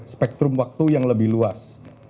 spektrum waktu yang lebih luas